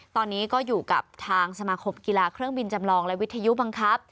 ตอนนี้ก็อยู่กับทางสมาคมกีฬาเครื่องบินจำลองและวิทยุบังคับ